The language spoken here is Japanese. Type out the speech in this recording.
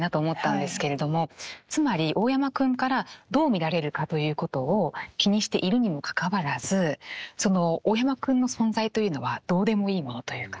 つまり大山くんからどう見られるかということを気にしているにもかかわらず大山くんの存在というのはどうでもいいものというか。